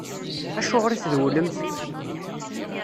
Acuɣeṛ i trewlemt?